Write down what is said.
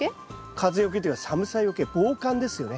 風よけっていうか寒さよけ防寒ですよね。